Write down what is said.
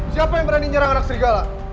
siapa yang berani menyerang anak serigala